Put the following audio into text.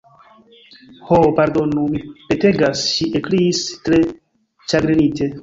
"Ho, pardonu, mi petegas," ŝi ekkriis tre ĉagrenite.